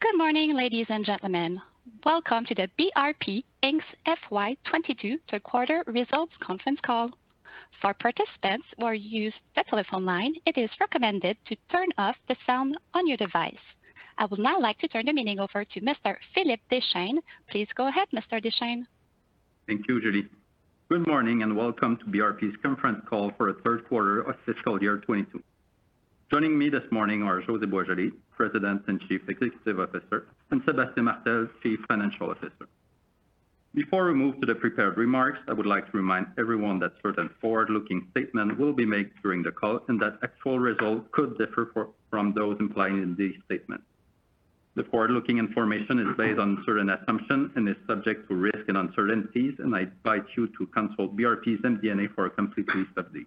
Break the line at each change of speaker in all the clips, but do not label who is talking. Good morning, ladies and gentlemen. Welcome to the BRP Inc.'s FY 2022 Third Quarter Results Cconference Call. For participants who are using telephone line, it is recommended to turn off the sound on your device. I would now like to turn the meeting over to Mr. Philippe Deschênes. Please go ahead, Mr. Deschênes.
Thank you, Julie. Good morning, and welcome to BRP's Conference Call for the Third Quarter of Fiscal Year 2022. Joining me this morning are José Boisjoli, President and Chief Executive Officer, and Sébastien Martel, Chief Financial Officer. Before we move to the prepared remarks, I would like to remind everyone that certain forward-looking statements will be made during the call and that actual results could differ from those implied in these statements. The forward-looking information is based on certain assumptions and is subject to risks and uncertainties, and I invite you to consult BRP's MD&A for a complete list of these.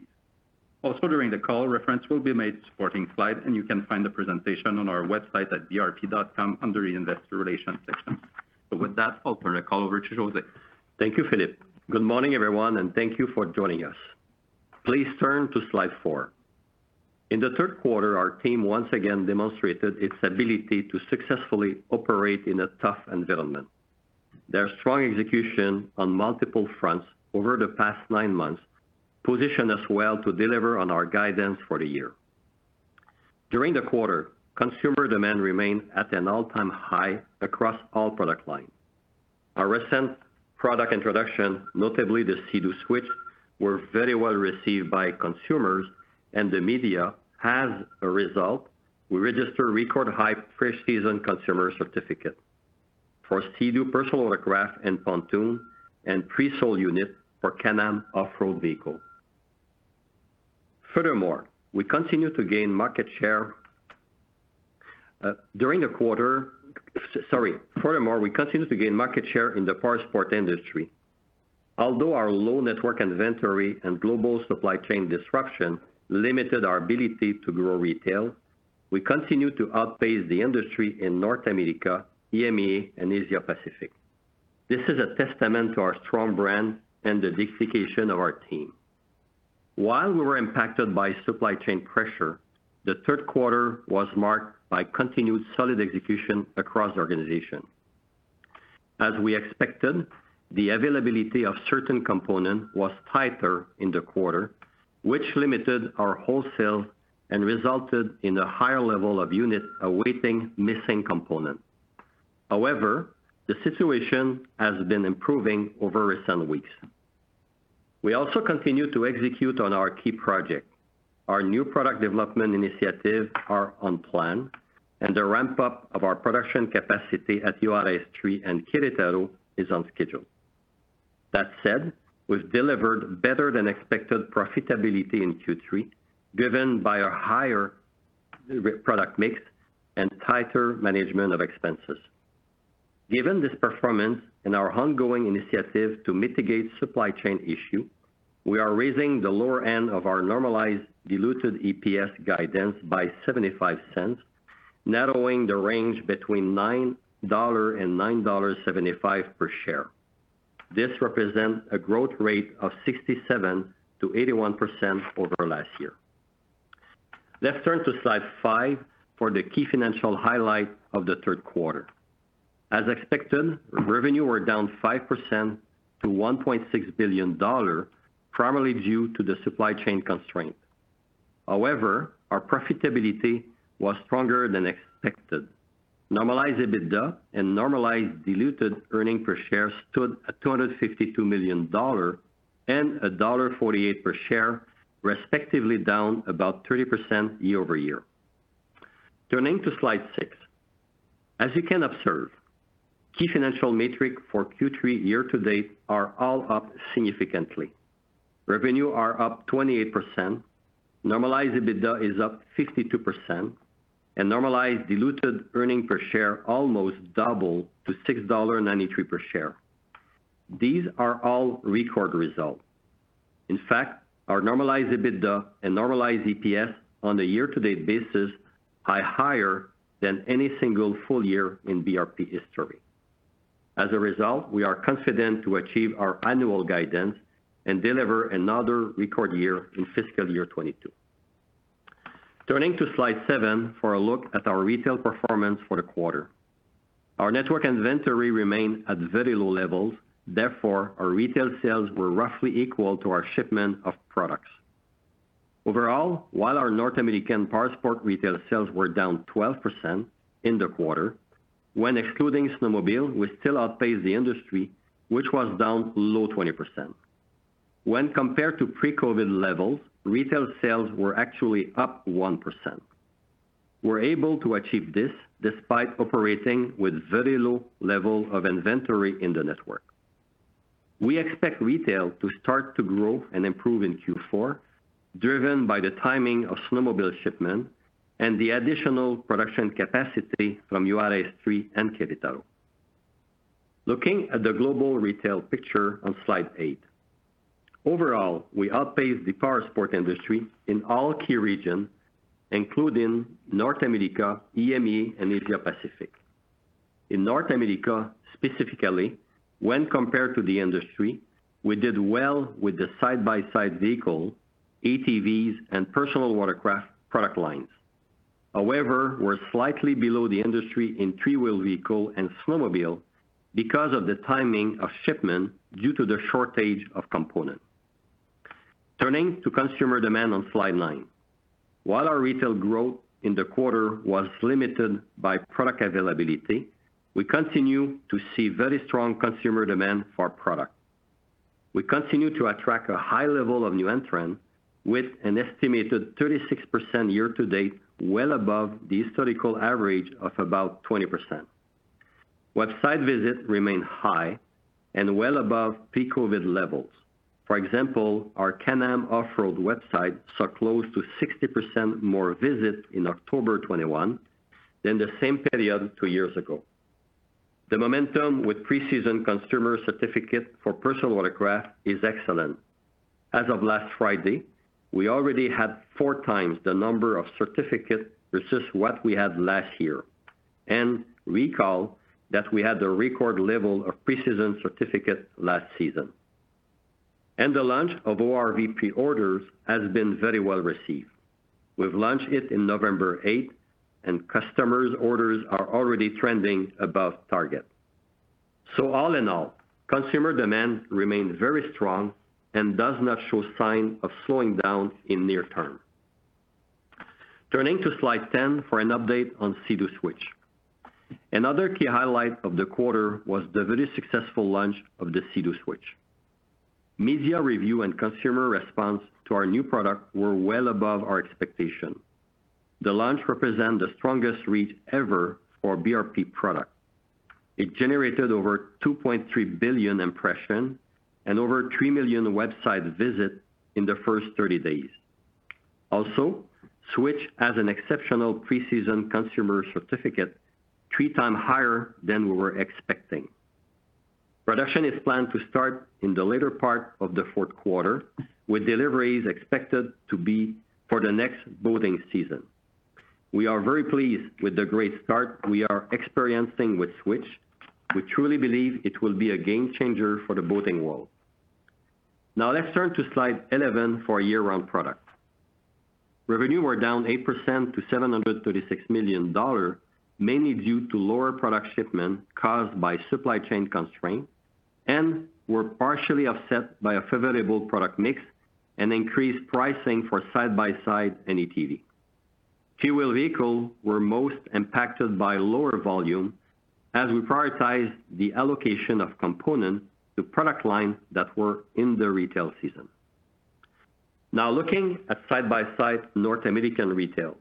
Also, during the call, reference will be made to supporting slides, and you can find the presentation on our website at brp.com under the investor relations section. With that, I'll turn the call over to José.
Thank you, Philippe. Good morning, everyone, and thank you for joining us. Please turn to slide four. In the third quarter, our team once again demonstrated its ability to successfully operate in a tough environment. Their strong execution on multiple fronts over the past nine months position us well to deliver on our guidance for the year. During the quarter, consumer demand remained at an all-time high across all product lines. Our recent product introduction, notably the Sea-Doo Switch, were very well received by consumers and the media. As a result, we registered record high Pre-Season Consumer Certificates for Sea-Doo personal watercraft and Pontoon and Pre-Sold Units for Can-Am off-road vehicles. Furthermore, we continue to gain Market Share in the Powersport industry. Although our low network inventory and global supply chain disruption limited our ability to grow retail, we continue to outpace the industry in North America, EMEA, and Asia Pacific. This is a testament to our strong brand and the dedication of our team. While we were impacted by supply chain pressure, the third quarter was marked by continued solid execution across the organization. As we expected, the availability of certain components was tighter in the quarter, which limited our wholesale and resulted in a higher level of units awaiting missing components. However, the situation has been improving over recent weeks. We also continue to execute on our key projects. Our new product development initiatives are on plan, and the ramp-up of our production capacity at Juárez 3 and Querétaro is on schedule. That said, we've delivered better than expected profitability in Q3, driven by a higher product mix and tighter management of expenses. Given this performance and our ongoing initiative to mitigate supply chain issue, we are raising the lower end of our normalized diluted EPS guidance by $0.75, narrowing the range between $9 and 9.75 per share. This represents a growth rate of 67%-81% over last year. Let's turn to slide five for the key financial highlight of the third quarter. As expected, revenue was down 5% to $1.6 billion, primarily due to the supply chain constraint. However, our profitability was stronger than expected. Normalized EBITDA and normalized diluted earnings per share stood at $252 million and 1.48 per share, respectively, down about 30% year-over-year. Turning to slide six. As you can observe, key financial metrics for Q3 year-to-date are all up significantly. Revenues are up 28%, normalized EBITDA is up 52%, and normalized diluted earnings per share almost double to $6.93 per share. These are all record results. In fact, our normalized EBITDA and normalized EPS on a year-to-date basis are higher than any single full year in BRP history. As a result, we are confident to achieve our annual guidance and deliver another record year in fiscal year 2022. Turning to slide seven for a look at our retail performance for the quarter. Our network inventory remained at very low levels, therefore, our Retail Sales were roughly equal to our shipment of products. Overall, while our North American Powersport Retail Sales were down 12% in the quarter, when excluding snowmobile, we still outpaced the industry, which was down low 20%. When compared to pre-COVID levels, Retail Sales were actually up 1%. We're able to achieve this despite operating with very low levels of inventory in the network. We expect retail to start to grow and improve in Q4, driven by the timing of snowmobile shipment and the additional production capacity from Juárez 3 and Querétaro. Looking at the global retail picture on slide 8. Overall, we outpaced the Powersports industry in all key regions, including North America, EMEA, and Asia Pacific. In North America specifically, when compared to the industry, we did well with the side-by-side vehicle, ATVs, and personal watercraft product lines. However, we're slightly below the industry in three-wheel vehicle and snowmobile because of the timing of shipment due to the shortage of components. Turning to consumer demand on slide 9. While our retail growth in the quarter was limited by product availability, we continue to see very strong consumer demand for our product. We continue to attract a high level of new entrants with an estimated 36% year to date, well above the historical average of about 20%. Website visits remain high and well above pre-COVID levels. For example, our Can-Am off-road website saw close to 60% more visits in October 2021 than the same period two years ago. The momentum with preseason consumer certificate for personal watercraft is excellent. As of last Friday, we already had 4 times the number of certificates versus what we had last year. Recall that we had a record level of preseason certificates last season. The launch of ORV pre-orders has been very well received. We've launched it in November 8, and customers' orders are already trending above target. All in all, consumer demand remains very strong and does not show signs of slowing down in near term. Turning to slide 10 for an update on Sea-Doo Switch. Another key highlight of the quarter was the very successful launch of the Sea-Doo Switch. Media review and consumer response to our new product were well above our expectations. The launch represent the strongest reach ever for BRP product. It generated over 2.3 billion impressions and over 3 million website visits in the first 30 days. Also, Switch has an exceptional preseason consumer certificate, three times higher than we were expecting. Production is planned to start in the latter part of the fourth quarter, with deliveries expected to be for the next boating season. We are very pleased with the great start we are experiencing with Switch. We truly believe it will be a game changer for the boating world. Now let's turn to slide 11 for Year-Round Products. Revenue were down 8% to $736 million, mainly due to lower product shipments caused by supply chain constraints and were partially offset by a favorable product mix and increased pricing for side-by-side and ATV. 3-wheel vehicles were most impacted by lower volume as we prioritized the allocation of components to product lines that were in the retail season. Now looking at side-by-side North American retail.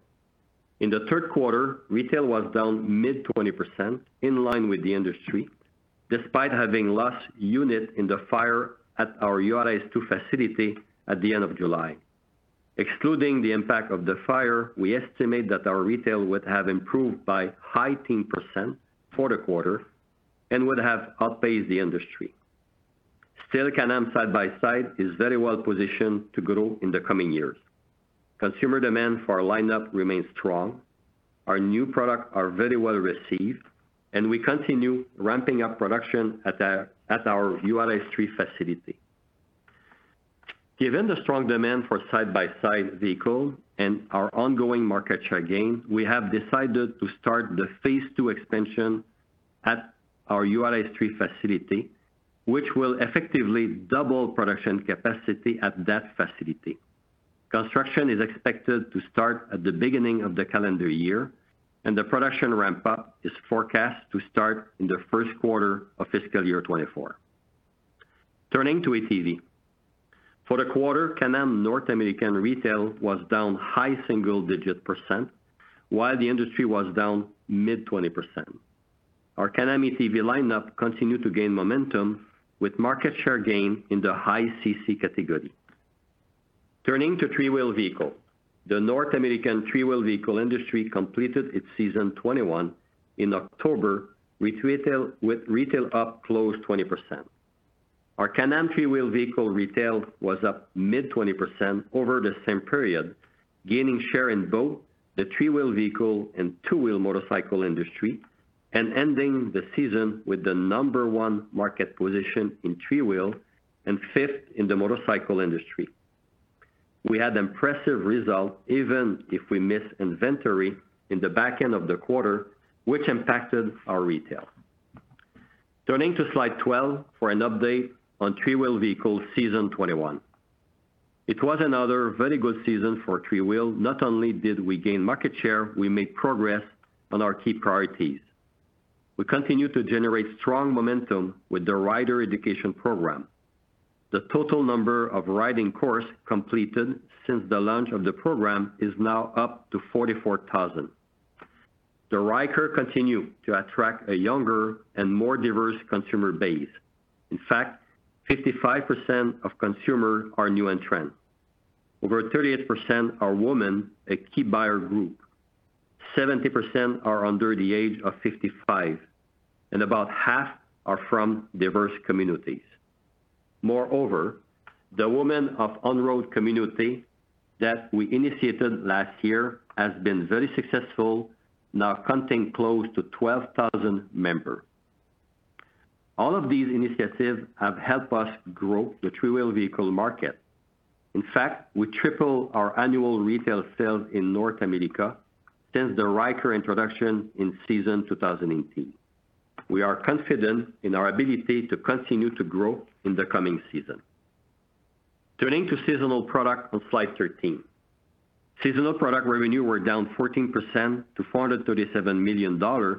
In the third quarter, retail was down mid-20% in line with the industry, despite having lost units in the fire at our Juárez 2 facility at the end of July. Excluding the impact of the fire, we estimate that our retail would have improved by high-teens % for the quarter and would have outpaced the industry. Still, Can-Am side-by-side is very well positioned to grow in the coming years. Consumer demand for our lineup remains strong. Our new products are very well received and we continue ramping up production at our Juárez 3 facility. Given the strong demand for side-by-side vehicle and our ongoing Market Share gain, we have decided to start the phase II expansion at our Juárez 3 facility, which will effectively double production capacity at that facility. Construction is expected to start at the beginning of the calendar year, and the production ramp up is forecast to start in the first quarter of fiscal year 2024. Turning to ATV. For the quarter, Can-Am North American retail was down high single-digit %, while the industry was down mid-20%. Our Can-Am ATV lineup continued to gain momentum with Market Share gain in the high CC category. Turning to three-wheel vehicle. The North American three-wheel vehicle industry completed its season 2021 in October, with retail up close to 20%. Our Can-Am three-wheel vehicle retail was up mid-20% over the same period, gaining share in both the three-wheel vehicle and two-wheel motorcycle industry and ending the season with the number one market position in three-wheel and fifth in the motorcycle industry. We had impressive results even if we missed inventory in the back end of the quarter, which impacted our retail. Turning to slide 12 for an update on three-wheel vehicle season 2021. It was another very good season for three-wheel. Not only did we gain Market Share, we made progress on our key priorities. We continue to generate strong momentum with the Rider Education Program. The total number of riding courses completed since the launch of the program is now up to 44,000. The Ryker continue to attract a younger and more diverse consumer base. In fact, 55% of consumers are new entrants. Over 38% are women, a key buyer group. 70% are under the age of 55, and about half are from diverse communities. Moreover, the Women of On-Road Community that we initiated last year has been very successful, now counting close to 12,000 members. All of these initiatives have helped us grow the three-wheel vehicle market. In fact, we tripled our annual Retail Sales in North America since the Ryker introduction in 2018. We are confident in our ability to continue to grow in the coming season. Turning to seasonal product on slide 13. Seasonal product revenue were down 14% to $437 million,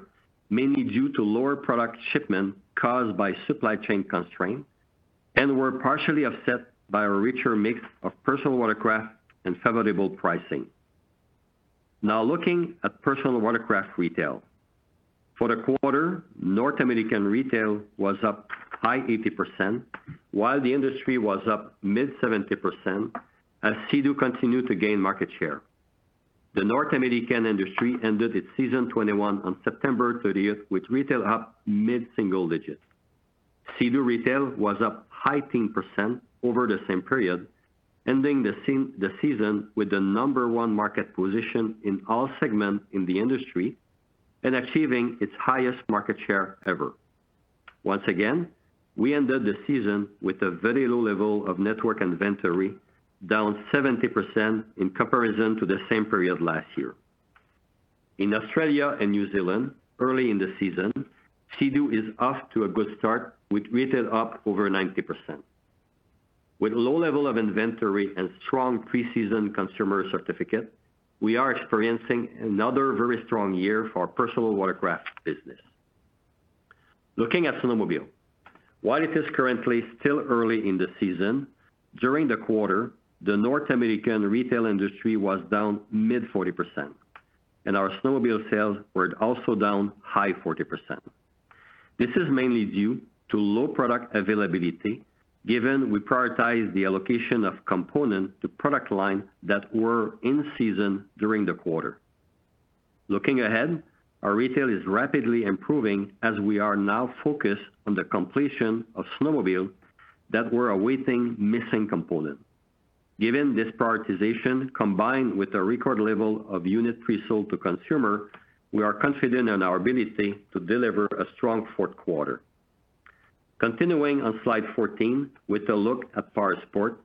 mainly due to lower product shipment caused by supply chain constraints, and were partially offset by a richer mix of personal watercraft and favorable pricing. Now, looking at personal watercraft retail. For the quarter, North American retail was up high 80%, while the industry was up mid 70% as Sea-Doo continued to gain Market Share. The North American industry ended its season 2021 on September 30 with retail up mid-single digits. Sea-Doo retail was up high teens % over the same period, ending the season with the number one market position in all segments in the industry and achieving its highest Market Share ever. Once again, we ended the season with a very low level of network inventory, down -70% in comparison to the same period last year. In Australia and New Zealand, early in the season, Sea-Doo is off to a good start with retail up over 90%. With low level of inventory and strong pre-season consumer interest, we are experiencing another very strong year for our personal watercraft business. Looking at snowmobile. While it is currently still early in the season, during the quarter, the North American retail industry was down mid-40%, and our snowmobile sales were also down high-40%. This is mainly due to low product availability, given we prioritize the allocation of components to product line that were in season during the quarter. Looking ahead, our retail is rapidly improving as we are now focused on the completion of snowmobile that we're awaiting missing components. Given this prioritization, combined with a record level of unit presold to consumer, we are confident in our ability to deliver a strong fourth quarter. Continuing on Slide 14 with a look at Powersport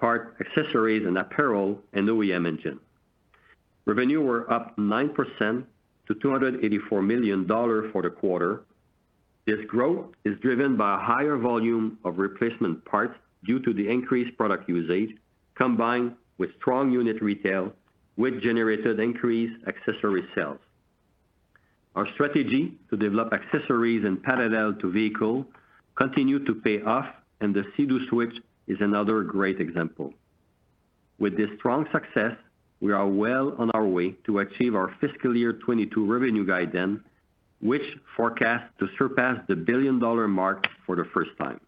parts, accessories and apparel and OEM Engine. Revenue were up 9% to $284 million for the quarter. This growth is driven by a higher volume of replacement parts due to the increased product usage combined with strong unit retail, which generated increased accessory sales. Our strategy to develop accessories in parallel to vehicle continued to pay off, and the Sea-Doo Switch is another great example. With this strong success, we are well on our way to achieve our FY 2022 revenue guidance, which forecasts to surpass the $1 billion mark for the first time.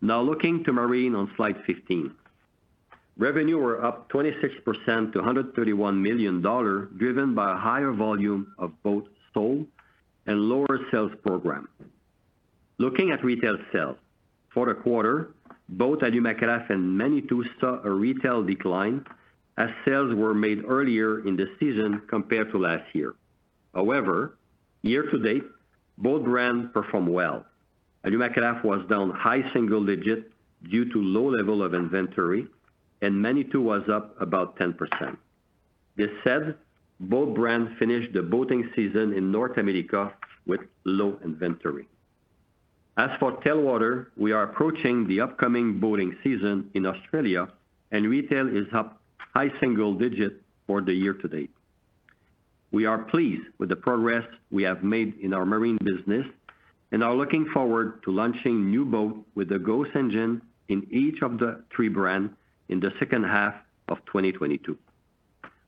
Now looking to Marine on slide 15. Revenue were up 26% to $131 million, driven by a higher volume of boats sold and lower sales program. Looking at Retail Sales. For the quarter, both Alumacraft and Manitou saw a retail decline as sales were made earlier in the season compared to last year. However, year to date, both brands performed well. Alumacraft was down high single digits due to low level of inventory, and Manitou was up about 10%. That said, both brands finished the boating season in North America with low inventory. As for Telwater, we are approaching the upcoming boating season in Australia and retail is up high single digits for the year-to-date. We are pleased with the progress we have made in our marine business and are looking forward to launching new boat with the Ghost engine in each of the three brands in the second half of 2022.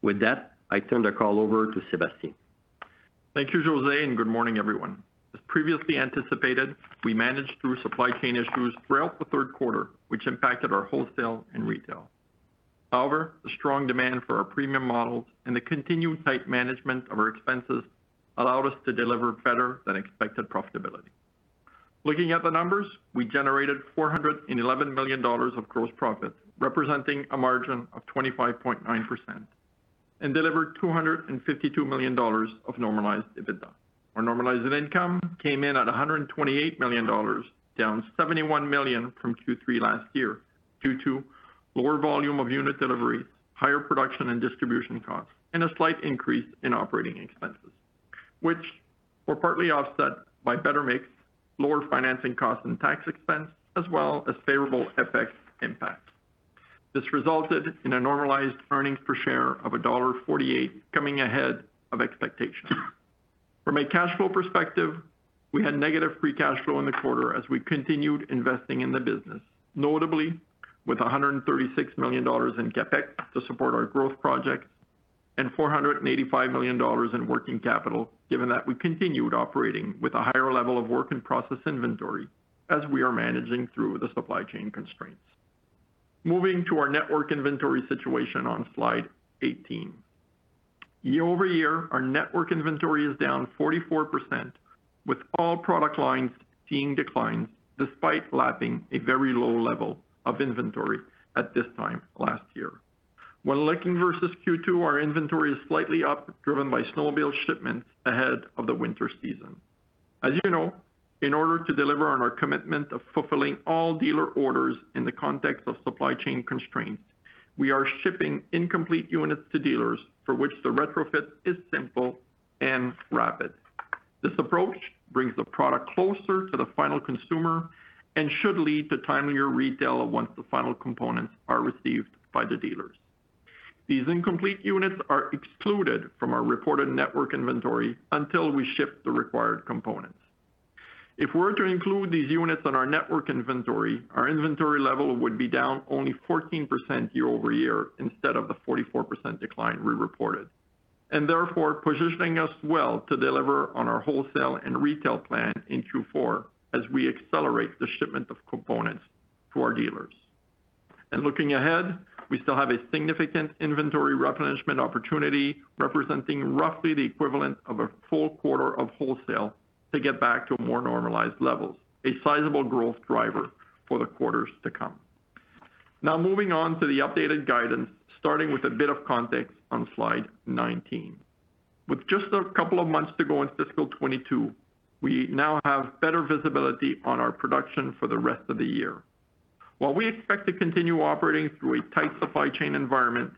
With that, I turn the call over to Sébastien.
Thank you, Jose, and good morning, everyone. As previously anticipated, we managed through supply chain issues throughout the third quarter, which impacted our wholesale and retail. However, the strong demand for our premium models and the continued tight management of our expenses allowed us to deliver better than expected profitability. Looking at the numbers, we generated $411 million of gross profit, representing a margin of 25.9% and delivered $252 million of normalized EBITDA. Our normalized income came in at $128 million, down -71 million from Q3 last year due to lower volume of unit deliveries, higher production and distribution costs, and a slight increase in operating expenses, which were partly offset by better mix, lower financing costs and tax expense, as well as favorable FX impact. This resulted in a normalized earnings per share of $1.48, coming ahead of expectations. From a cash flow perspective, we had negative free cash flow in the quarter as we continued investing in the business, notably with $136 million in CapEx to support our growth project and $485 million in working capital, given that we continued operating with a higher level of work in process inventory as we are managing through the supply chain constraints. Moving to our network inventory situation on slide 18. Year-over-year, our network inventory is down 44% with all product lines seeing declines despite lapping a very low level of inventory at this time last year. When looking versus Q2, our inventory is slightly up, driven by snowmobile shipments ahead of the winter season. As you know, in order to deliver on our commitment of fulfilling all dealer orders in the context of supply chain constraints, we are shipping incomplete units to dealers for which the retrofit is simple and rapid. This approach brings the product closer to the final consumer and should lead to timelier retail once the final components are received by the dealers. These incomplete units are excluded from our reported network inventory until we ship the required components. If we were to include these units on our network inventory, our inventory level would be down only 14% year-over-year instead of the 44% decline we reported, and therefore positioning us well to deliver on our wholesale and retail plan in Q4 as we accelerate the shipment of components to our dealers. Looking ahead, we still have a significant inventory replenishment opportunity representing roughly the equivalent of a full quarter of wholesale to get back to more normalized levels, a sizable growth driver for the quarters to come. Now moving on to the updated guidance, starting with a bit of context on slide 19. With just a couple of months to go in fiscal 2022, we now have better visibility on our production for the rest of the year. While we expect to continue operating through a tight supply chain environment,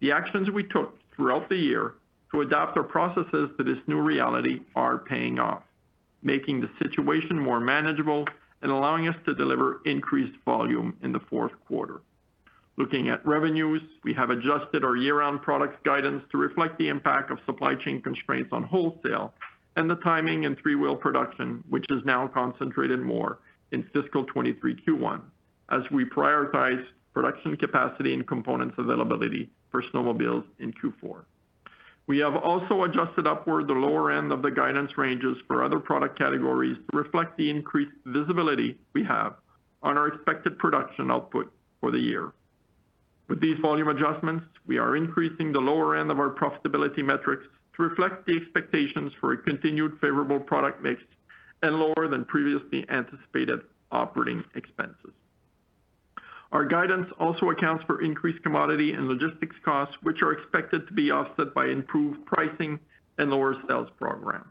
the actions we took throughout the year to adapt our processes to this new reality are paying off, making the situation more manageable and allowing us to deliver increased volume in the fourth quarter. Looking at revenues, we have adjusted our year-round products guidance to reflect the impact of supply chain constraints on wholesale and the timing in three-wheel production, which is now concentrated more in fiscal 2023 Q1 as we prioritize production capacity and components availability for snowmobiles in Q4. We have also adjusted upward the lower end of the guidance ranges for other product categories to reflect the increased visibility we have on our expected production output for the year. With these volume adjustments, we are increasing the lower end of our profitability metrics to reflect the expectations for a continued favorable product mix and lower than previously anticipated operating expenses. Our guidance also accounts for increased commodity and logistics costs, which are expected to be offset by improved pricing and lower sales program.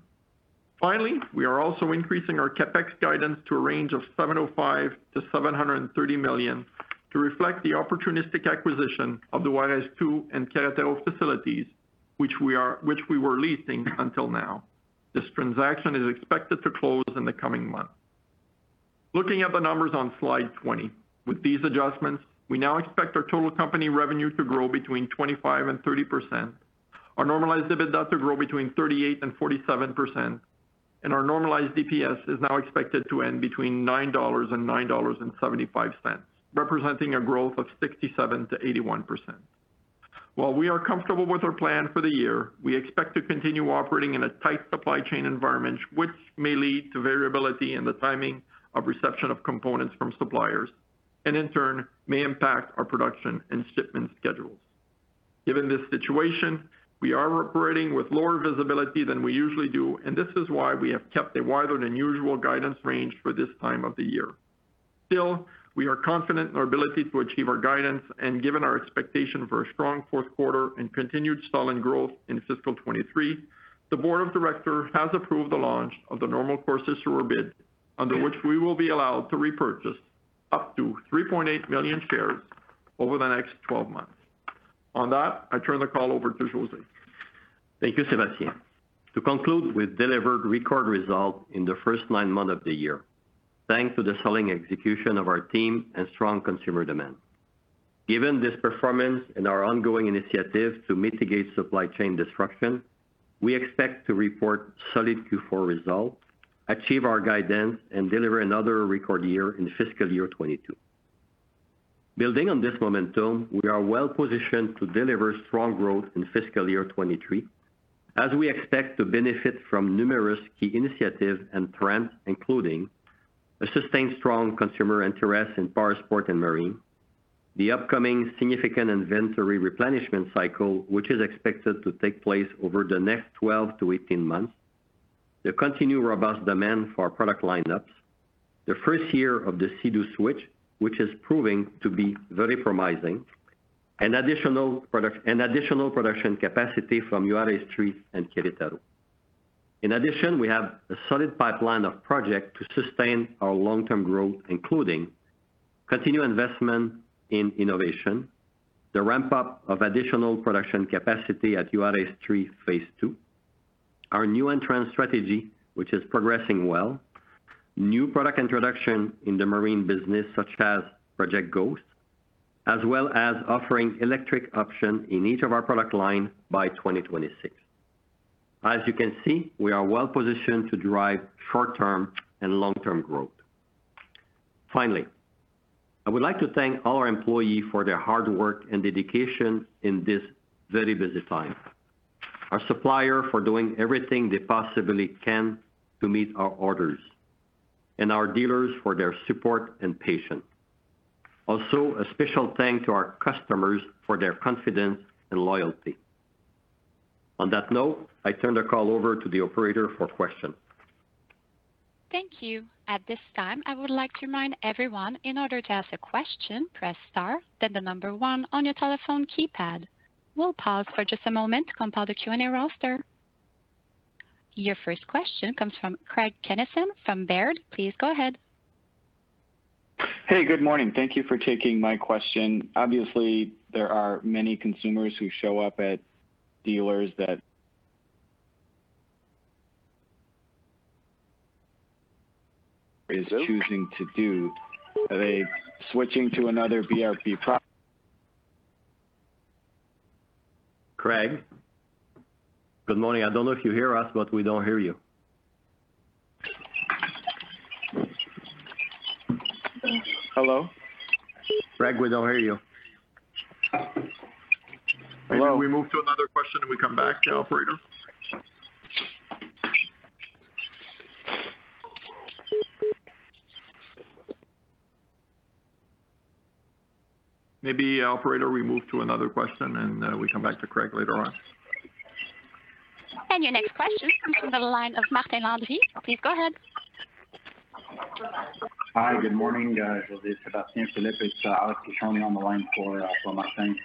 Finally, we are also increasing our CapEx guidance to a range of $705 million-730 million to reflect the opportunistic acquisition of the Juárez 2 and Querétaro facilities, which we were leasing until now. This transaction is expected to close in the coming months. Looking at the numbers on slide 20. With these adjustments, we now expect our total company revenue to grow between 25% and 30%. Our normalized EBITDA to grow between 38% and 47%. Our normalized EPS is now expected to end between $9 and 9.75, representing a growth of 67%-81%. While we are comfortable with our plan for the year, we expect to continue operating in a tight supply chain environment which may lead to variability in the timing of reception of components from suppliers, and in turn, may impact our production and shipment schedules. Given this situation, we are operating with lower visibility than we usually do, and this is why we have kept a wider than usual guidance range for this time of the year. Still, we are confident in our ability to achieve our guidance, and given our expectation for a strong fourth quarter and continued solid growth in fiscal 2023, the board of directors has approved the launch of the Normal Course Issuer Bid under which we will be allowed to repurchase up to 3.8 million shares over the next 12 months. On that, I turn the call over to José.
Thank you, Sebastian. To conclude, we've delivered record results in the first nine months of the year, thanks to the sales execution of our team and strong consumer demand. Given this performance and our ongoing initiative to mitigate supply chain disruption, we expect to report solid Q4 results, achieve our guidance, and deliver another record year in fiscal year 2022. Building on this momentum, we are well positioned to deliver strong growth in fiscal year 2023 as we expect to benefit from numerous key initiatives and trends, including a sustained strong consumer interest in powersports and marine, the upcoming significant inventory replenishment cycle, which is expected to take place over the next 12 to 18 months, the continued robust demand for our product lineups, the first year of the Sea-Doo Switch, which is proving to be very promising, and additional production capacity from Juárez 3 and Querétaro. In addition, we have a solid pipeline of projects to sustain our long-term growth, including continued investment in innovation, the ramp-up of additional production capacity at Juárez 3 phase II, our new entry strategy, which is progressing well, new product introduction in the marine business such as Project Ghost, as well as offering electric option in each of our product line by 2026. As you can see, we are well positioned to drive short-term and long-term growth. Finally, I would like to thank all our employees for their hard work and dedication in this very busy time, our supplier for doing everything they possibly can to meet our orders, and our dealers for their support and patience. Also, a special thanks to our customers for their confidence and loyalty. On that note, I turn the call over to the operator for questions.
Thank you. At this time, I would like to remind everyone, in order to ask a question, press star then the number one on your telephone keypad. We'll pause for just a moment to compile the Q&A roster. Your first question comes from Craig Kennison from Baird. Please go ahead.
Hey, good morning. Thank you for taking my question. Obviously, there are many consumers who show up at dealers that are choosing to do. Are they switching to another BRP pro-
Craig? Good morning. I don't know if you hear us, but we don't hear you.
Hello?
Craig, we don't hear you.
Hello?
We move to another question, and we come back to him, operator?
Maybe, operator, we move to another question and we come back to Craig later on.
Your next question comes from the line of Martin Landry. Please go ahead.
Hi. Good morning, guys. Jose, Sébastien, Philippe. It's [inaudible] on the line for Martin.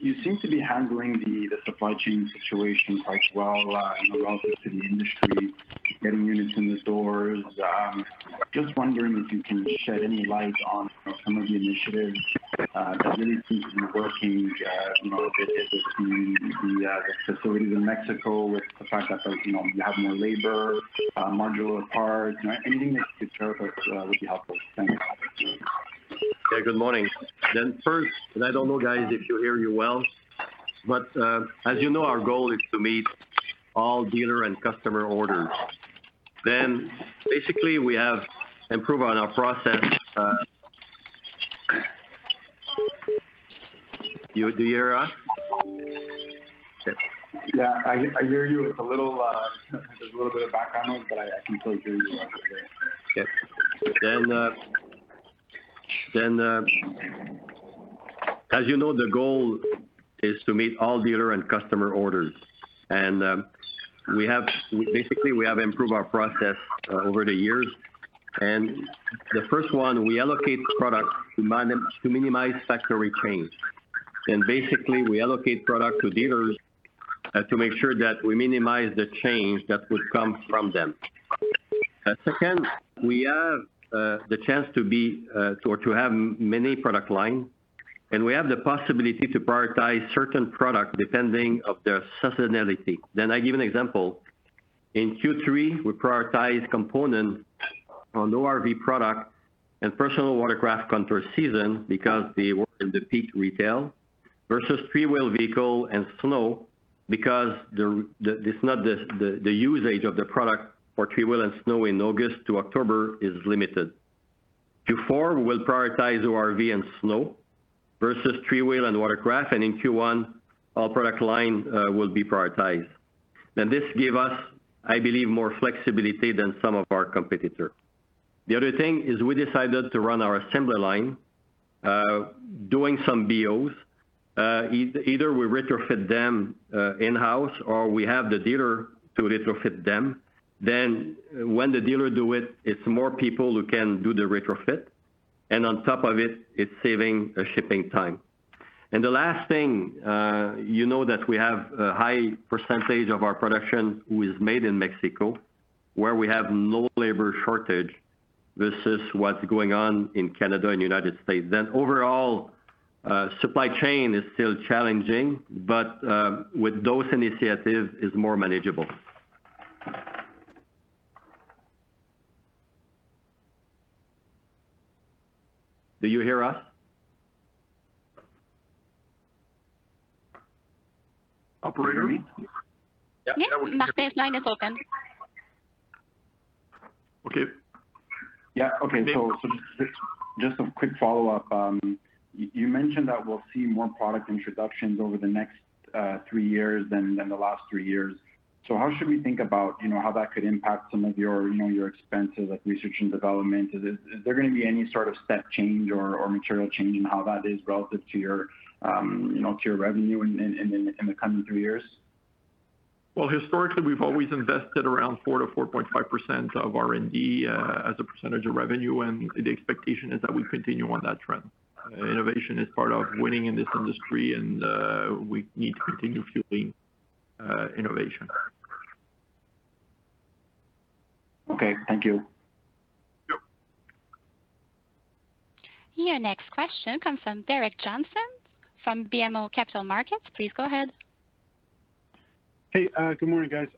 You seem to be handling the supply chain situation quite well in relation to the industry, getting units in the stores. Just wondering if you can shed any light on, you know, some of the initiatives that really seems to be working. You know, a bit related to the facilities in Mexico with the fact that you know, you have more labor, modular parts. Anything that you could share with us would be helpful. Thanks.
Okay, good morning. First, I don't know, guys, if you hear me well, but as you know, our goal is to meet all dealer and customer orders. Basically, we have improved on our process. Do you hear us?
Yeah, I hear you. There's a little bit of background noise, but I can still hear you okay.
Okay. As you know, the goal is to meet all dealer and customer orders. We have basically improved our process over the years. The first one, we allocate product to minimize factory change. Basically, we allocate product to dealers to make sure that we minimize the change that would come from them. Second, we have the chance to have many product lines, and we have the possibility to prioritize certain products depending on their seasonality. I give an example. In Q3, we prioritize components on ORV product and personal watercraft contra season because they work in the peak retail versus three-wheel vehicle and snow because the usage of the product for three-wheel and snow in August to October is limited. Q4, we'll prioritize ORV and snow versus three-wheel and watercraft. In Q1, all product line will be prioritized. This give us, I believe, more flexibility than some of our competitor. The other thing is we decided to run our assembly line doing some BOs. Either we retrofit them in-house or we have the dealer to retrofit them. When the dealer do it's more people who can do the retrofit. On top of it's saving shipping time. The last thing, you know that we have a high percentage of our production who is made in Mexico, where we have low labor shortage versus what's going on in Canada and United States. Overall, supply chain is still challenging, but with those initiatives is more manageable. Do you hear us?
Operator?
Yes. Martin's line is open.
Just a quick follow-up. You mentioned that we'll see more product introductions over the next three years than the last three years. How should we think about, you know, how that could impact some of your, you know, your expenses like research and development? Is there gonna be any sort of step change or material change in how that is relative to your revenue in the coming three years?
Well, historically, we've always invested around 4%-4.5% of R&D as a percentage of revenue, and the expectation is that we continue on that trend. Innovation is part of winning in this industry, and we need to continue fueling innovation.
Okay. Thank you.
Yep.
Your next question comes from Gerrick Johnson from BMO Capital Markets. Please go ahead.
Hey. Good morning, guys.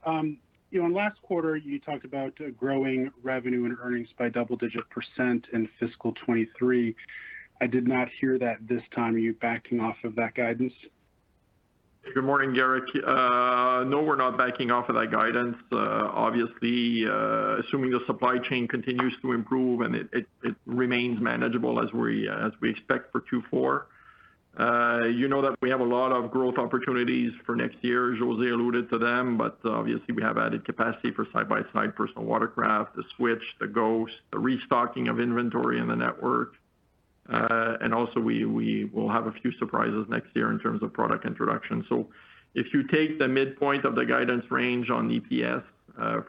You know, in last quarter, you talked about growing revenue and earnings by double-digit % in fiscal 2023. I did not hear that this time. Are you backing off of that guidance?
Good morning, Gerrick. No, we're not backing off of that guidance. Obviously, assuming the supply chain continues to improve and it remains manageable as we expect for Q4, you know that we have a lot of growth opportunities for next year. Jose alluded to them, but obviously we have added capacity for side-by-side personal watercraft, the Switch, the Ghost, the restocking of inventory in the network. Also we will have a few surprises next year in terms of product introduction. If you take the midpoint of the guidance range on EPS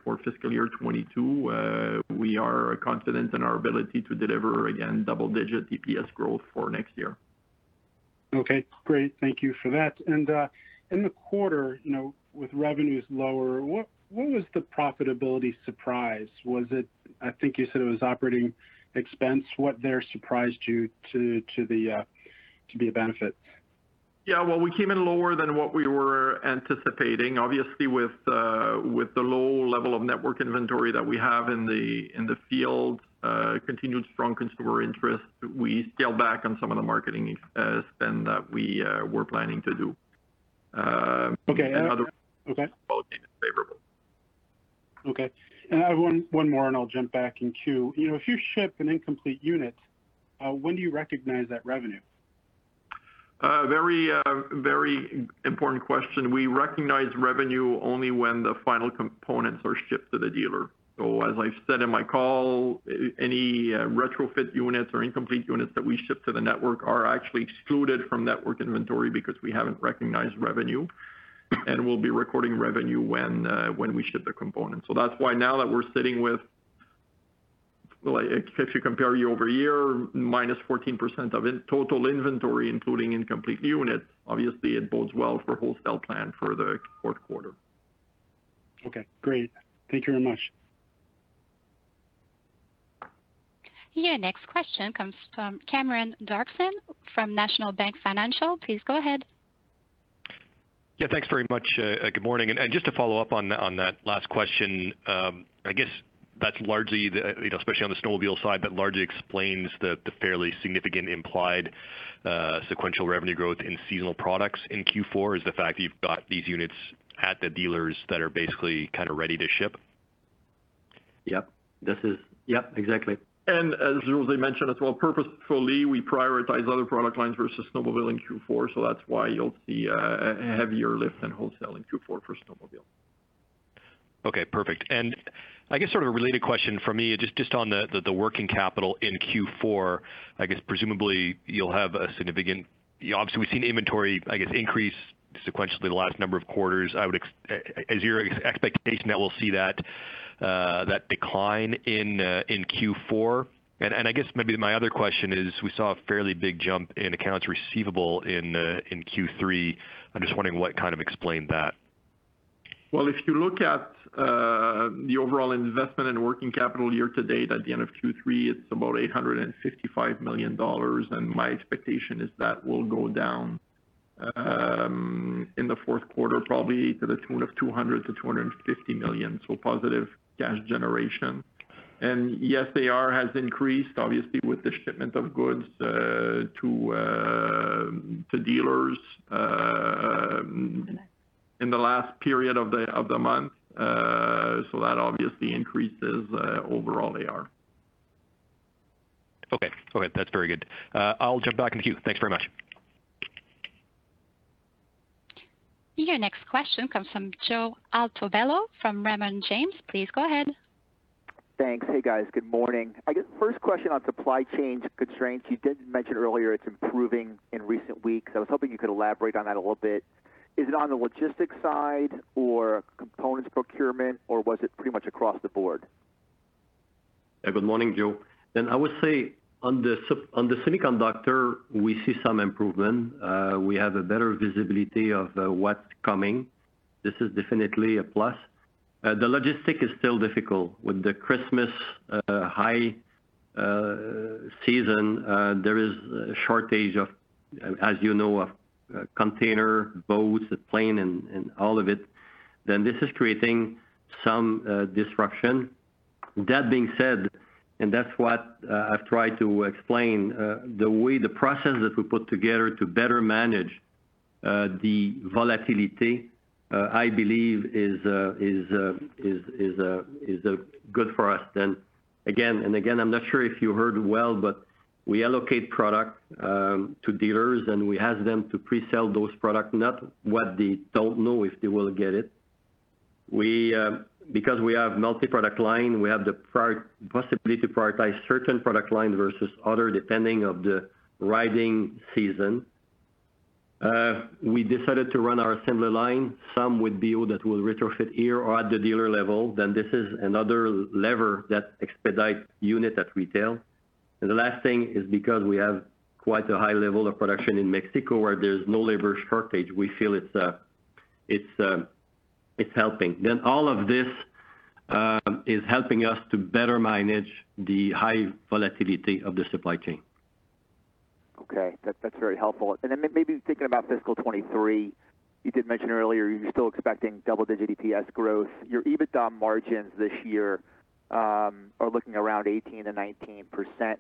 for fiscal year 2022, we are confident in our ability to deliver, again, double digit EPS growth for next year.
Okay, great. Thank you for that. In the quarter, you know, with revenues lower, what was the profitability surprise? Was it? I think you said it was operating expense. What there surprised you to the to be a benefit?
Yeah. Well, we came in lower than what we were anticipating. Obviously, with the low level of network inventory that we have in the field, continued strong consumer interest, we scaled back on some of the marketing spend that we were planning to do.
Okay.
And other-
Okay.
Favorable.
Okay. I have one more and I'll jump back in queue. You know, if you ship an incomplete unit, when do you recognize that revenue?
Very important question. We recognize revenue only when the final components are shipped to the dealer. As I've said in my call, any retrofit units or incomplete units that we ship to the network are actually excluded from network inventory because we haven't recognized revenue. We'll be recording revenue when we ship the components. That's why now that we're sitting with, like, if you compare year-over-year, minus 14% of total inventory, including incomplete units, obviously it bodes well for wholesale plan for the fourth quarter.
Okay, great. Thank you very much.
Your next question comes from Cameron Doerksen from National Bank Financial. Please go ahead.
Yeah, thanks very much. Good morning. Just to follow up on that last question. I guess that's largely the, you know, especially on the snowmobile side, that largely explains the fairly significant implied sequential revenue growth in Seasonal Products in Q4, is the fact that you've got these units at the dealers that are basically kind of ready to ship?
Yep. Yep, exactly. As Jose mentioned as well, purposefully, we prioritize other product lines versus snowmobile in Q4. That's why you'll see a heavier lift than wholesale in Q4 for snowmobile.
Okay, perfect. I guess sort of a related question from me, just on the working capital in Q4. I guess presumably you'll have a significant. Obviously, we've seen inventory, I guess, increase sequentially the last number of quarters. Is your expectation that we'll see that decline in Q4? I guess maybe my other question is, we saw a fairly big jump in accounts receivable in Q3. I'm just wondering what kind of explained that?
Well, if you look at the overall investment in working capital year to date, at the end of Q3, it's about $855 million. My expectation is that will go down in the fourth quarter, probably to the tune of $200-250 million. Positive cash generation. Yes, AR has increased obviously with the shipment of goods to dealers in the last period of the month. So that obviously increases overall AR.
Okay. Okay, that's very good. I'll jump back in the queue. Thanks very much.
Your next question comes from Joe Altobello from Raymond James. Please go ahead.
Thanks. Hey, guys. Good morning. I guess first question on supply chain constraints. You did mention earlier it's improving in recent weeks. I was hoping you could elaborate on that a little bit. Is it on the logistics side or components procurement, or was it pretty much across the board?
Good morning, Joe. I would say on the semiconductor, we see some improvement. We have a better visibility of what's coming. This is definitely a plus. The logistics is still difficult with the Christmas high season. There is a shortage of, as you know, of container boats, the planes and all of it. This is creating some disruption. That being said, that's what I've tried to explain, the way the process that we put together to better manage the volatility, I believe is good for us. I'm not sure if you heard well, but we allocate product to dealers, and we ask them to pre-sell those products, not what they don't know if they will get it. We because we have multi-product line, we have the possibility to prioritize certain product lines versus other, depending on the riding season. We decided to run our assembly line some with BO that will retrofit here or at the dealer level. This is another lever that expedites units at retail. The last thing is because we have quite a high level of production in Mexico where there's no labor shortage, we feel it's helping. All of this is helping us to better manage the high volatility of the supply chain.
Okay. That's very helpful. Maybe thinking about fiscal 2023, you did mention earlier you're still expecting double-digit EPS growth. Your EBITDA margins this year are looking around 18%-19%.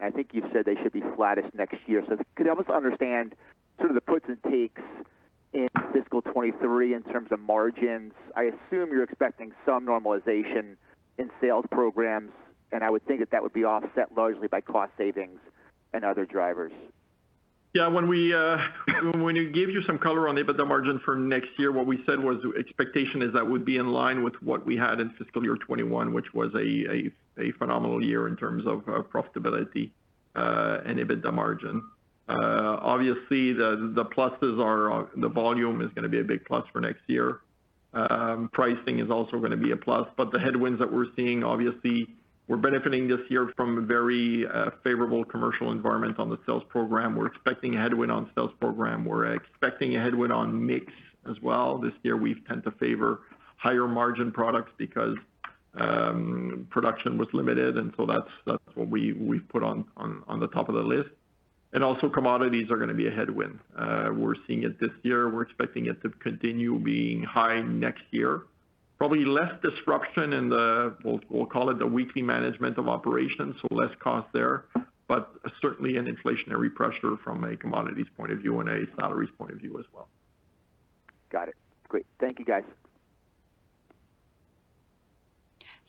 I think you've said they should be flattish next year. Could help us understand sort of the puts and takes. In fiscal 2023 in terms of margins, I assume you're expecting some normalization in sales programs, and I would think that would be offset largely by cost savings and other drivers.
Yeah. When we gave you some color on EBITDA margin for next year, what we said was the expectation is that would be in line with what we had in fiscal year 2021, which was a phenomenal year in terms of profitability and EBITDA margin. Obviously, the pluses are the volume is gonna be a big plus for next year. Pricing is also gonna be a plus. The headwinds that we're seeing, obviously we're benefiting this year from a very favorable commercial environment on the sales program. We're expecting a headwind on sales program. We're expecting a headwind on mix as well. This year, we've tended to favor higher margin products because production was limited, and so that's what we've put on the top of the list. Also commodities are gonna be a headwind. We're seeing it this year. We're expecting it to continue being high next year. Probably less disruption in the, we'll call it the weekly management of operations, so less cost there, but certainly an inflationary pressure from a commodities point of view and a salaries point of view as well.
Got it. Great. Thank you, guys.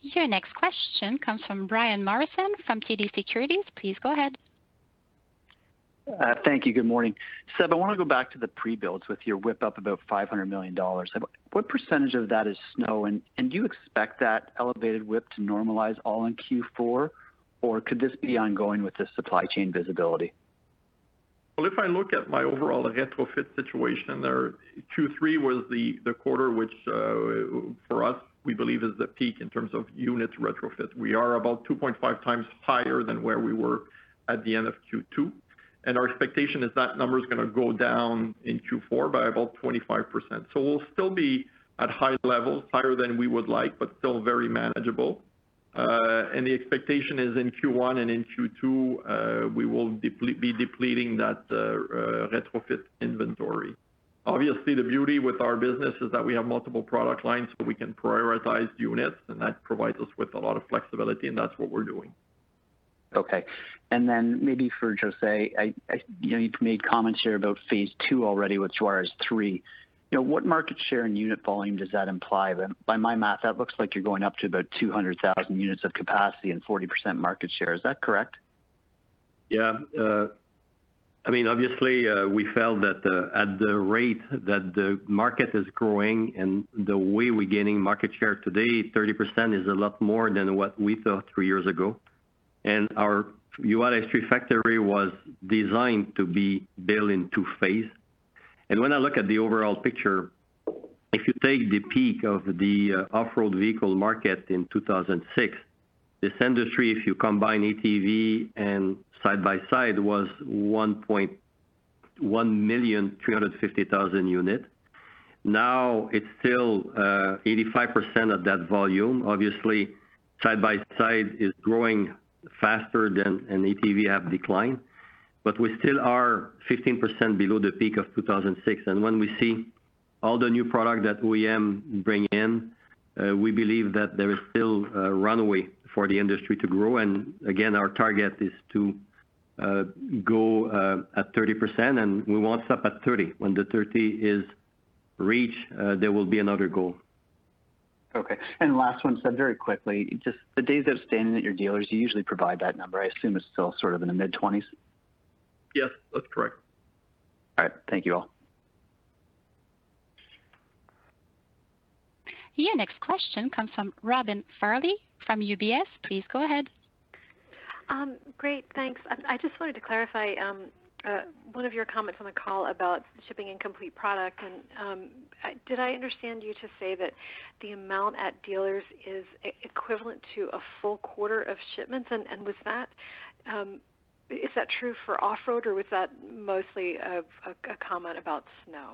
Your next question comes from Brian Morrison from TD Securities. Please go ahead.
Thank you. Good morning. Seb, I wanna go back to the pre-builds with your WIP up about $500 million. What percentage of that is snow? And do you expect that elevated WIP to normalize all in Q4, or could this be ongoing with the supply chain visibility?
Well, if I look at my overall retrofit situation there, Q3 was the quarter which, for us, we believe is the peak in terms of units retrofit. We are about 2.5x higher than where we were at the end of Q2. Our expectation is that number is gonna go down in Q4 by about 25%. We'll still be at high levels, higher than we would like, but still very manageable. The expectation is in Q1 and in Q2, we will be depleting that retrofit inventory. Obviously, the beauty with our business is that we have multiple product lines, so we can prioritize units, and that provides us with a lot of flexibility, and that's what we're doing.
Okay. Maybe for Jose, I you know, you've made comments here about phase II already with Juárez 3. You know, what Market Share and unit volume does that imply? By my math, that looks like you're going up to about 200,000 units of capacity and 40% Market Share. Is that correct?
Yeah. I mean, obviously, we felt that at the rate that the market is growing and the way we're gaining Market Share today, 30% is a lot more than what we thought three years ago. Our Juárez 3 factory was designed to be built in II-phase. When I look at the overall picture, if you take the peak of the off-road vehicle market in 2006, this industry, if you combine ATV and side-by-side, was 1,350,000 units. Now it's still 85% of that volume. Obviously, side-by-side is growing faster than ATVs have declined, but we still are 15% below the peak of 2006. When we see all the new product that OEM bring in, we believe that there is still a runway for the industry to grow. Again, our target is to go at 30%, and we won't stop at 30. When the 30 is reached, there will be another goal.
Okay. Last one, Seb, very quickly. Just the days of standing at your dealers. You usually provide that number. I assume it's still sort of in the mid-20s.
Yes, that's correct.
All right. Thank you all.
Your next question comes from Robin Farley from UBS. Please go ahead.
Great, thanks. I just wanted to clarify one of your comments on the call about shipping incomplete product. Did I understand you to say that the amount at dealers is equivalent to a full quarter of shipments? Was that true for off-road or was that mostly a comment about snow?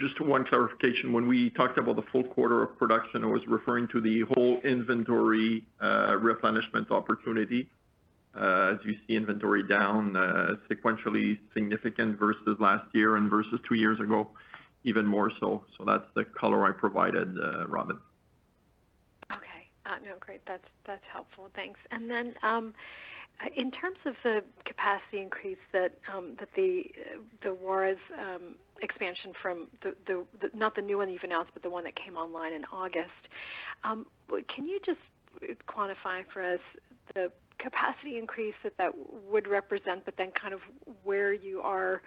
Just one clarification. When we talked about the full quarter of production, I was referring to the whole inventory replenishment opportunity. As you see inventory down, sequentially significant versus last year and versus two years ago, even more so. That's the color I provided, Robin.
Okay. No, great. That's helpful. Thanks. In terms of the capacity increase that the Juárez expansion from the. Not the new one you've announced, but the one that came online in August. Can you just quantify for us the capacity increase that would represent, but then kind of where you are,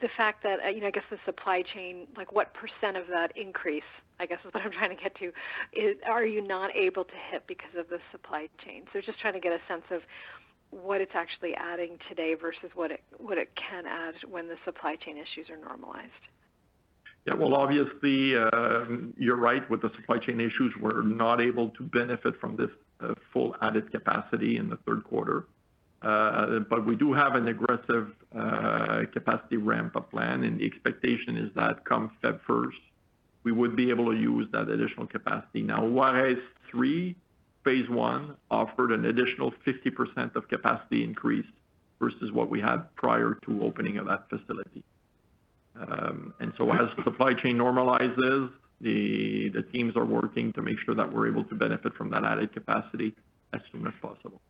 the fact that, you know, I guess the supply chain, like what percent of that increase, I guess is what I'm trying to get to, are you not able to hit because of the supply chain? Just trying to get a sense of what it's actually adding today versus what it can add when the supply chain issues are normalized?
Yeah. Well, obviously, you're right. With the supply chain issues, we're not able to benefit from this full added capacity in the third quarter. We do have an aggressive Capacity Ramp-up plan, and the expectation is that come Feb 1st, we would be able to use that additional capacity. Now, Juárez 3, phase I offered an additional 50% of capacity increase versus what we had prior to opening of that facility. As the supply chain normalizes, the teams are working to make sure that we're able to benefit from that added capacity as soon as possible.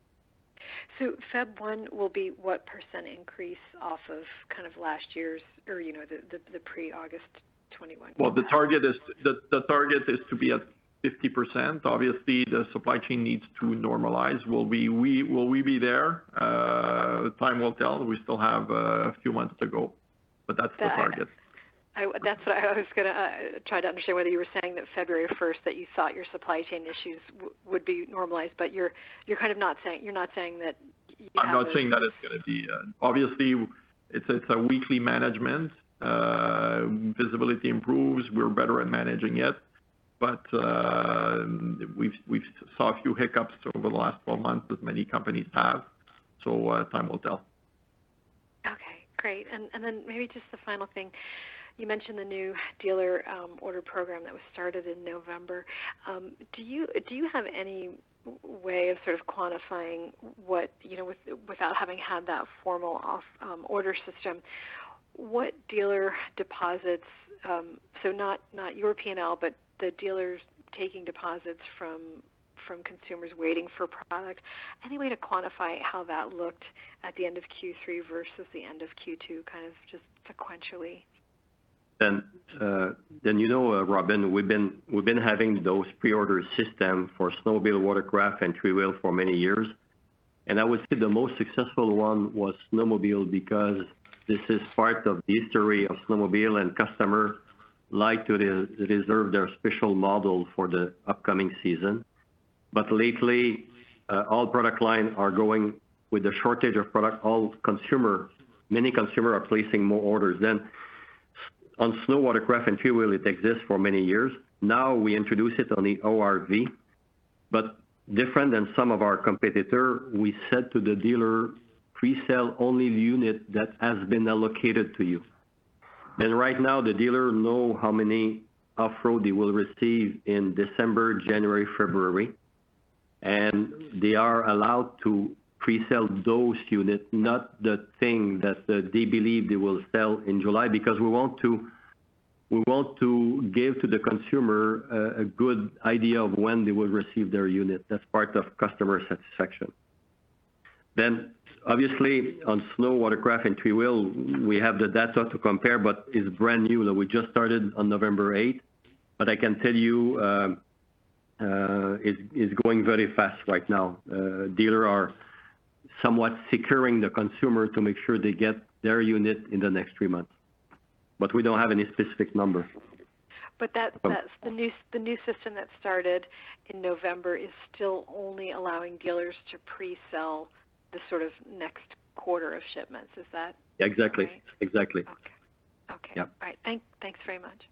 So, Feb 1 will be what percent increase off of kind of last year's or, you know, the pre-August 2021?
Well, the target is to be at 50%. Obviously, the supply chain needs to normalize. Will we be there? Time will tell. We still have a few months to go, but that's the target.
That's what I was gonna try to understand whether you were saying that February first that you thought your supply chain issues would be normalized, but you're kind of not saying. You're not saying that you have-
I'm not saying that it's gonna be. Obviously, it's a weekly management. Visibility improves. We're better at managing it. But we've saw a few hiccups over the last 12 months as many companies have. So, time will tell.
Okay, great. Then maybe just the final thing. You mentioned the new dealer order program that was started in November. Do you have any way of sort of quantifying what, you know, without having had that formal order system, what dealer deposits, so not your P&L, but the dealers taking deposits from consumers waiting for product, any way to quantify how that looked at the end of Q3 versus the end of Q2, kind of just sequentially?
You know, Robin, we've been having those pre-order system for snowmobile, watercraft, and three-wheel for many years. I would say the most successful one was snowmobile because this is part of the history of snowmobile and customer like to reserve their special model for the upcoming season. Lately, all product line are going with a shortage of product. Many consumer are placing more orders than. On snow, watercraft, and three-wheel, it exists for many years. Now we introduce it on the ORV, but different than some of our competitors, we said to the dealer, "Pre-sell only units that have been allocated to you." Right now, the dealers know how many off-road they will receive in December, January, February, and they are allowed to pre-sell those units, not the things that they believe they will sell in July, because we want to give to the consumer a good idea of when they will receive their unit. That's part of customer satisfaction. Obviously on Snow, Watercraft, and three-wheel, we have the data to compare, but it's brand new. We just started on November 8. I can tell you, it's going very fast right now. Dealers are somewhat securing the consumer to make sure they get their unit in the next three months. But we don't have any specific number.
That's the new system that started in November is still only allowing dealers to pre-sell the sort of next quarter of shipments. Is that right?
Exactly.
Okay.
Exactly. Yeah.
All right. Thanks very much.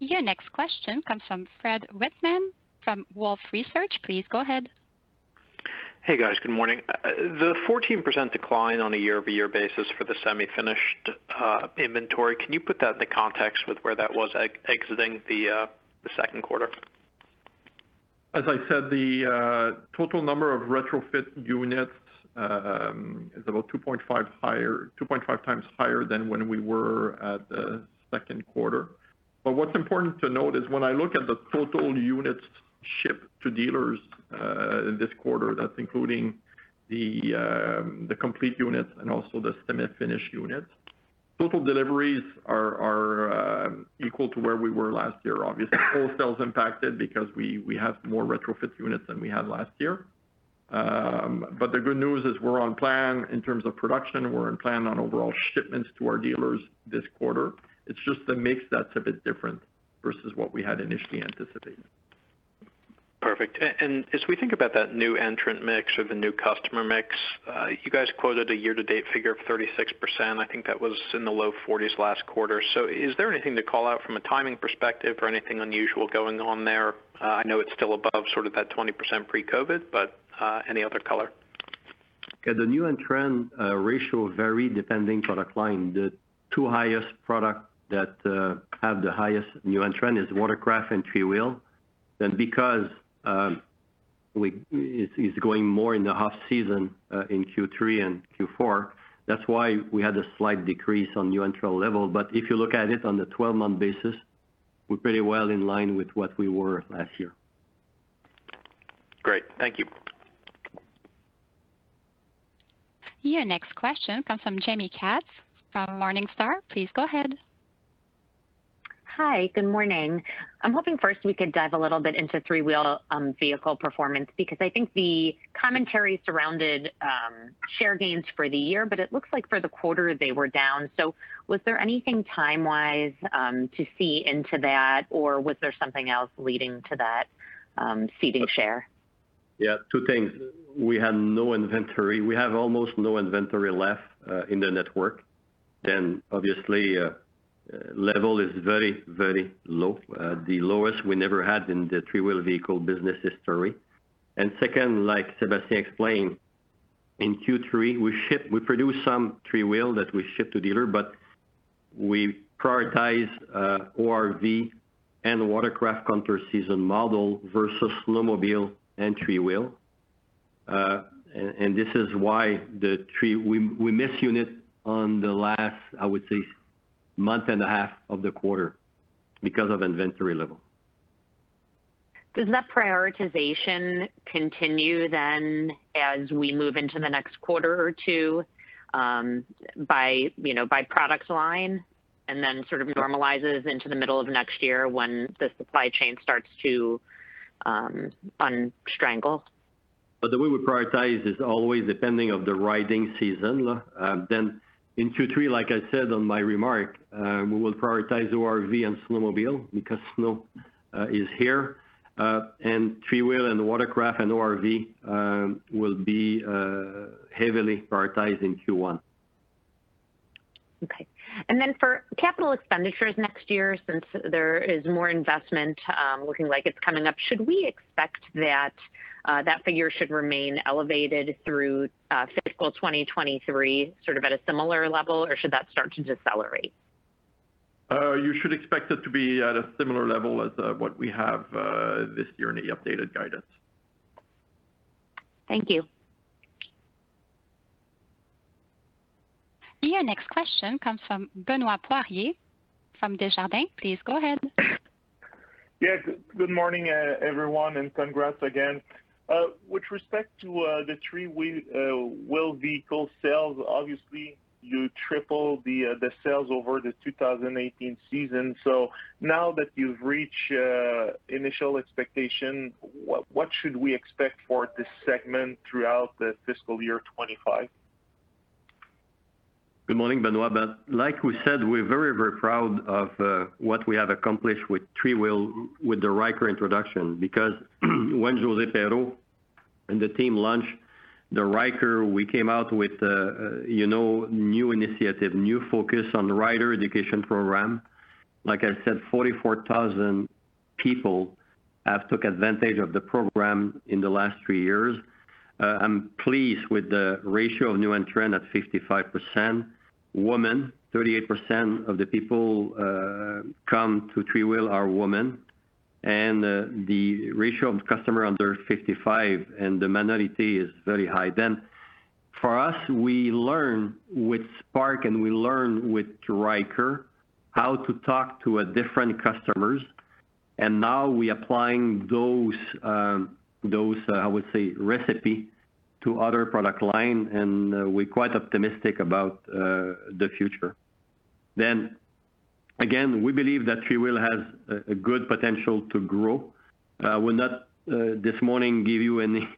Your next question comes from Fred Wightman from Wolfe Research. Please go ahead.
Hey, guys. Good morning. The 14% decline on a year-over-year basis for the semi-finished inventory, can you put that in the context with where that was exiting the second quarter?
As I said, the total number of retrofit units is about 2.5x higher than when we were at the second quarter. What's important to note is when I look at the total units shipped to dealers this quarter, that's including the complete units and also the semi-finished units. Total deliveries are equal to where we were last year. Obviously, wholesale is impacted because we have more retrofit units than we had last year. The good news is we're on plan in terms of production, we're on plan on overall shipments to our dealers this quarter. It's just the mix that's a bit different versus what we had initially anticipated.
Perfect. As we think about that new entrant mix or the new customer mix, you guys quoted a year-to-date figure of 36%. I think that was in the low 40s last quarter. Is there anything to call out from a timing perspective or anything unusual going on there? I know it's still above sort of that 20% pre-COVID, but any other color?
Yeah, the new entrant ratio vary depending product line. The two highest product that have the highest new entrant is Watercraft and three-wheel. Because it's going more in the off-season in Q3 and Q4, that's why we had a slight decrease on new entrant level. If you look at it on the 12-month basis, we're pretty well in line with what we were last year.
Great. Thank you.
Your next question comes from Jaime Katz from Morningstar. Please go ahead.
Hi. Good morning. I'm hoping first we could dive a little bit into three-wheel vehicle performance because I think the commentary surrounded share gains for the year, but it looks like for the quarter they were down. Was there anything time-wise to see into that, or was there something else leading to that ceding share?
Yeah, two things. We had no inventory. We have almost no inventory left in the network. Obviously, level is very, very low, the lowest we never had in the three-wheel vehicle business history. Second, like Sébastien explained, in Q3, we produce some three-wheel that we ship to dealer, but we prioritize ORV and Watercraft counterseason model versus snowmobile and three-wheel. This is why we missed units on the last, I would say, month and a half of the quarter because of inventory level.
Does that prioritization continue then as we move into the next quarter or two, by, you know, by product line and then sort of normalizes into the middle of next year when the supply chain starts to unstrangle?
The way we prioritize is always depending on the riding season. In Q3, like I said in my remarks, we will prioritize ORV and snowmobile because snow is here. Three-wheel and watercraft and ORV will be heavily prioritized in Q1.
Okay. For capital expenditures next year, since there is more investment, looking like it's coming up, should we expect that figure should remain elevated through fiscal 2023 sort of at a similar level, or should that start to decelerate?
You should expect it to be at a similar level as what we have this year in the updated guidance.
Thank you.
Your next question comes from Benoit Poirier from Desjardins. Please go ahead.
Yeah. Good morning, everyone, and congrats again. With respect to the three-wheel vehicle sales, obviously you tripled the sales over the 2018 season. Now that you've reached initial expectation, what should we expect for this segment throughout the fiscal year 2025?
Good morning, Benoit. Like we said, we're very, very proud of what we have accomplished with three-wheel with the Ryker introduction. Because when Josée Perreault and the team launched the Ryker, we came out with, you know, new initiative, new focus on Rider Education Program. Like I said, 44,000 people have took advantage of the program in the last three years. I'm pleased with the ratio of new entrant at 55%. Women, 38% of the people come to three-wheel are women. The ratio of customer under 55 and the minority is very high. For us, we learn with Spark and we learn with Ryker how to talk to a different customers. Now we applying those, I would say, recipe to other product line, and we're quite optimistic about the future. Again, we believe that three-wheel has a good potential to grow. We'll not this morning give you any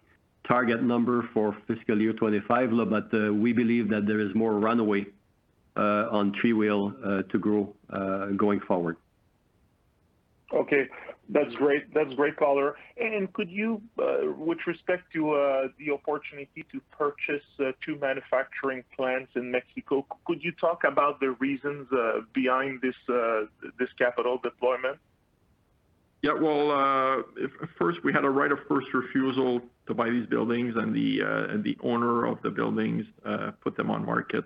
target number for fiscal year 2025. We believe that there is more runway on three-wheel to grow going forward.
Okay. That's great. That's great color. With respect to the opportunity to purchase two manufacturing plants in Mexico, could you talk about the reasons behind this capital deployment?
Yeah. Well, at first, we had a right of first refusal to buy these buildings, and the owner of the buildings put them on the market.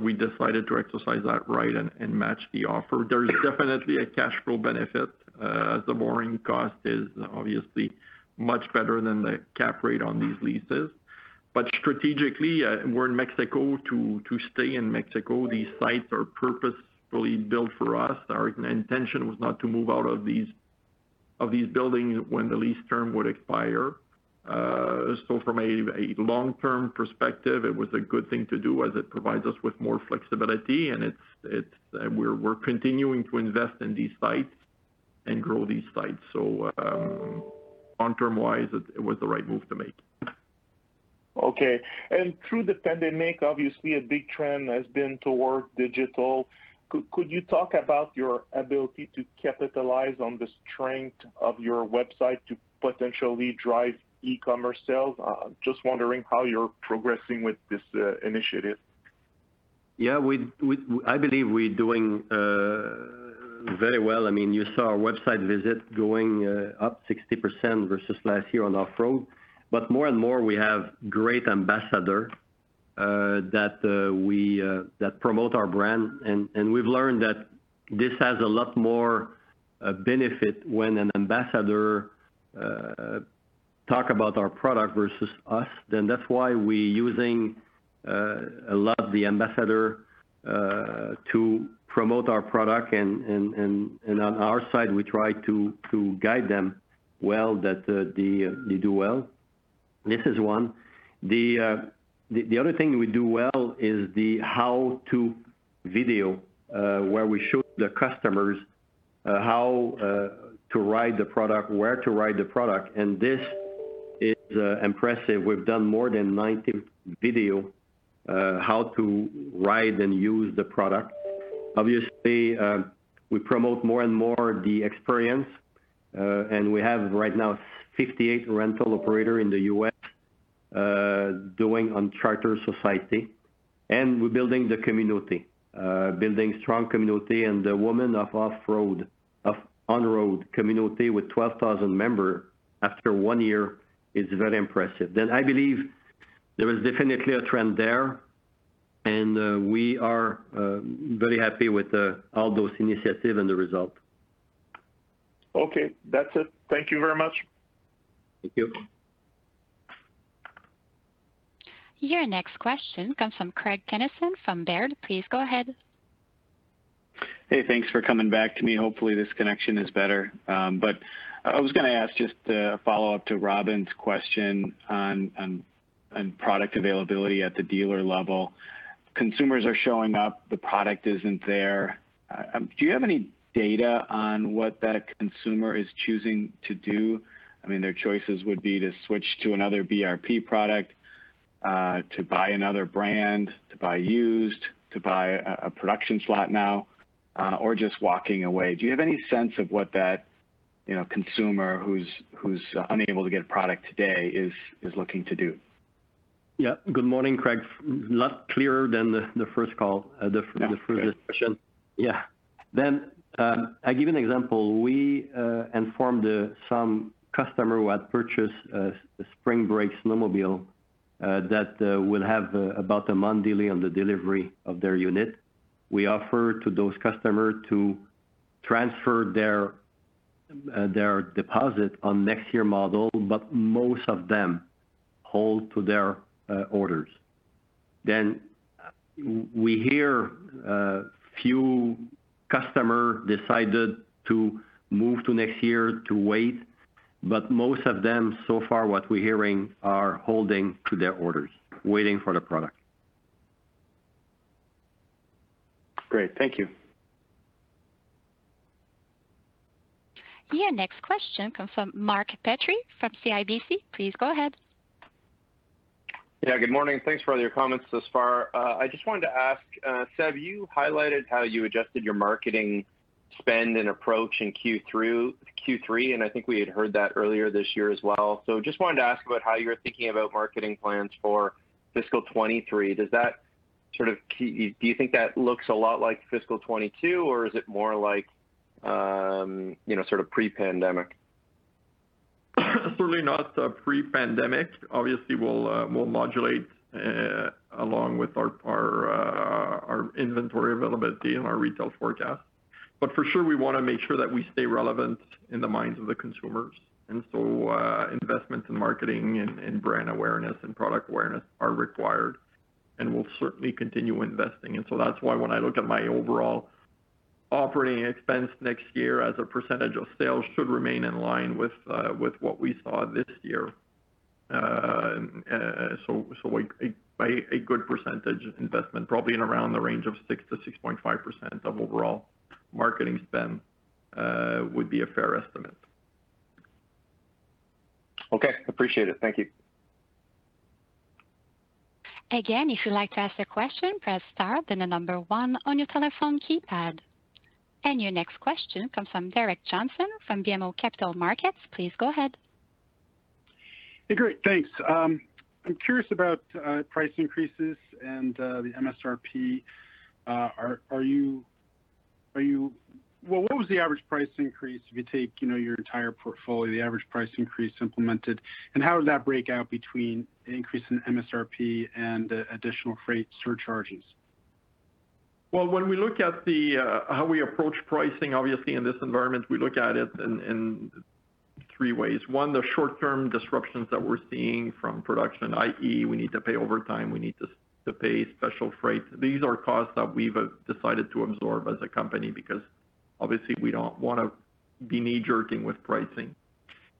We decided to exercise that right and match the offer. There is definitely a cash flow benefit, as the borrowing cost is obviously much better than the cap rate on these leases. Strategically, we're in Mexico to stay in Mexico. These sites are purposefully built for us. Our intention was not to move out of these buildings when the lease term would expire. From a long-term perspective, it was a good thing to do as it provides us with more flexibility. We're continuing to invest in these sites and grow these sites. So, long-term wise, it was the right move to make.
Okay. Through the pandemic, obviously a big trend has been toward digital. Could you talk about your ability to capitalize on the strength of your website to potentially drive e-commerce sales? Just wondering how you're progressing with this initiative?
I believe we're doing very well. I mean, you saw our website visit going up 60% versus last year on off-road. More and more we have great ambassador that promote our brand. We've learned that this has a lot more benefit when an ambassador talk about our product versus us. That's why we're using a lot of the ambassador to promote our product. On our side, we try to guide them well that they do well. This is one. The other thing we do well is the how-to video where we show the customers how to ride the product, where to ride the product, and this is impressive. We've done more than 90 videos how to ride and use the product. Obviously, we promote more and more the experience, and we have right now 58 rental operators in the U.S. doing on Can-Am side-by-side. We're building the community, building strong community and the Women of On-Road Community with 12,000 members after one year is very impressive. I believe there is definitely a trend there, and we are very happy with all those initiatives and the result.
Okay, that's it. Thank you very much.
Thank you.
Your next question comes from Craig Kennison from Baird. Please go ahead.
Hey, thanks for coming back to me. Hopefully this connection is better. I was gonna ask just a follow-up to Robin's question on product availability at the dealer level. Consumers are showing up, the product isn't there. Do you have any data on what that consumer is choosing to do? I mean, their choices would be to switch to another BRP product, to buy another brand, to buy used, to buy a production slot now, or just walking away. Do you have any sense of what that consumer who's unable to get product today is looking to do?
Yeah. Good morning, Craig. A lot clearer than the first call, the first question.
Yeah.
Yeah. I give you an example. We informed some customer who had purchased a Spring Break snowmobile that will have about a month delay on the delivery of their unit. We offer to those customer to transfer their deposit on next year model, but most of them hold to their orders. We hear a few customer decided to move to next year to wait, but most of them so far what we're hearing are holding to their orders, waiting for the product.
Great. Thank you.
Your next question comes from Mark Petrie from CIBC. Please go ahead.
Yeah. Good morning. Thanks for all your comments thus far. I just wanted to ask, Seb, you highlighted how you adjusted your marketing spend and approach in Q3, and I think we had heard that earlier this year as well. Just wanted to ask about how you're thinking about marketing plans for fiscal 2023. Does that sort of do you think that looks a lot like fiscal 2022, or is it more like, you know, sort of p re-pandemic?
Certainly not pre-pandemic. Obviously, we'll modulate along with our inventory availability and our retail forecast. For sure, we wanna make sure that we stay relevant in the minds of the consumers. Investments in marketing and brand awareness and product awareness are required, and we'll certainly continue investing. That's why when I look at my overall operating expense next year as a percentage of sales should remain in line with what we saw this year. A good percentage investment, probably in around the range of 6% to 6.5% of overall marketing spend would be a fair estimate.
Okay. Appreciate it. Thank you.
Again, if you'd like to ask a question, press star then the number one on your telephone keypad. Your next question comes from Gerrick Johnson from BMO Capital Markets. Please go ahead.
Hey, great. Thanks. I'm curious about price increases and the MSRP. Well, what was the average price increase if you take, you know, your entire portfolio, the average price increase implemented, and how does that break out between an increase in MSRP and additional freight surcharges?
Well, when we look at the how we approach pricing, obviously in this environment, we look at it in three ways. One, the short-term disruptions that we're seeing from production, i.e. we need to pay overtime, we need to pay special freight. These are costs that we've decided to absorb as a company because obviously we don't wanna be knee-jerking with pricing.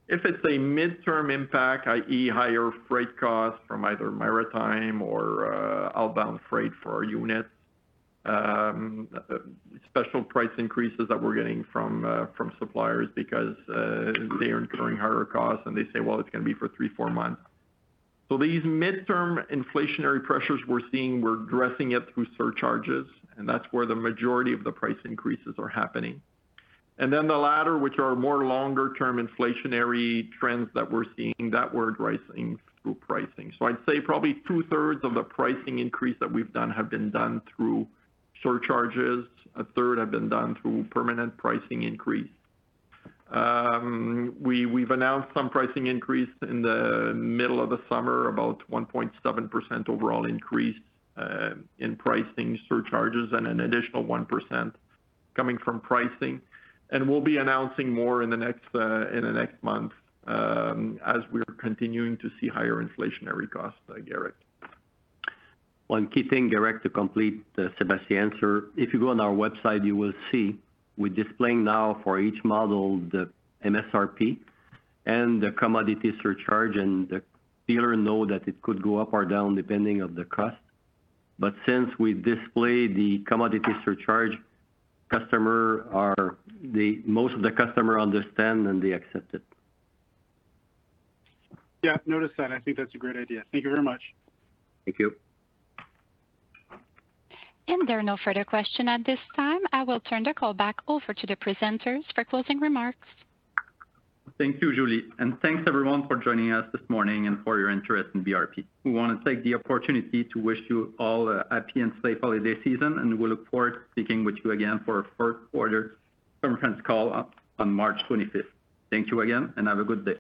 If it's a midterm impact, i.e. higher freight costs from either maritime or outbound freight for our units, special price increases that we're getting from suppliers because they are incurring higher costs and they say, "Well, it's gonna be for three, four months." These midterm inflationary pressures we're seeing, we're addressing it through surcharges, and that's where the majority of the price increases are happening. The latter, which are more longer term inflationary trends that we're seeing, that we're addressing through pricing. I'd say probably two-thirds of the pricing increase that we've done have been done through surcharges, a third have been done through permanent pricing increase. We've announced some pricing increase in the middle of the summer, about 1.7% overall increase in pricing surcharges and an additional 1% coming from pricing. We'll be announcing more in the next month as we're continuing to see higher inflationary costs, Gerrick.
One key thing, Gerrick, to complete Sébastien's answer. If you go on our website, you will see we're displaying now for each model the MSRP and the commodity surcharge, and the dealer know that it could go up or down depending on the cost. Since we display the commodity surcharge, most of the customers understand and they accept it.
Yeah. Noticed that. I think that's a great idea. Thank you very much.
Thank you.
There are no further questions at this time. I will turn the call back over to the presenters for closing remarks.
Thank you, Julie. Thanks everyone for joining us this morning and for your interest in BRP. We wanna take the opportunity to wish you all a happy and safe holiday season, and we look forward to speaking with you again for our first quarter conference call on March 25th. Thank you again, and have a good day.